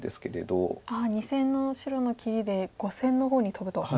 ２線の白の切りで５線の方にトブと。